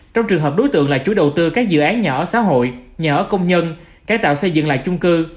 trong trường hợp đối tượng là chủ đầu tư các dự án nhà ở xã hội nhà ở công nhân cải tạo xây dựng lại chung cư